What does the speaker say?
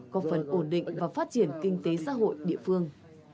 có phần ổn định và phát triển kinh tế xã hội địa phương